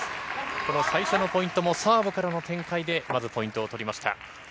この最初のポイントもサーブからの展開で、まずポイントを取りました。